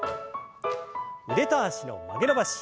腕と脚の曲げ伸ばし。